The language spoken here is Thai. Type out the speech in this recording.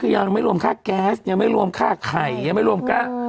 คือยังไม่รวมค่าแก๊สยังไม่รวมค่าไข่ยังไม่รวมค่า